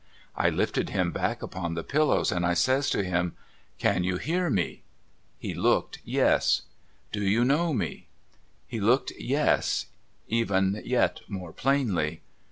I lifted him back upon the pillows and I says to him :' Can you hear me ?' He looked yes. ' Do you know me ?' He looked yes, even yet more plainly.